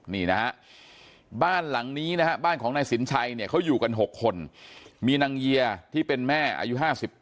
นี่นะฮะบ้านหลังนี้นะฮะบ้านของนายสินชัยเนี่ยเขาอยู่กัน๖คนมีนางเยียที่เป็นแม่อายุ๕๘